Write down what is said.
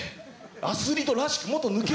アスリートらしくもっと抜け！